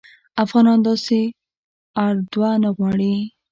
افغانان داسي اردوه نه غواړي